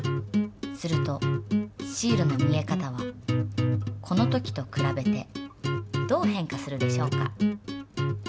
するとシールの見え方はこの時とくらべてどう変化するでしょうか？